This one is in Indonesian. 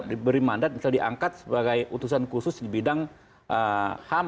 diberi mandat misalnya diangkat sebagai utusan khusus di bidang ham